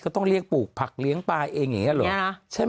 เขาต้องเรียกปลูกผักเลี้ยงปลายเองอย่างนี้หรอใช่ไหมใช่